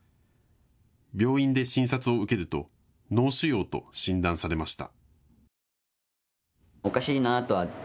病院で診察を受けると脳腫瘍と診断されました。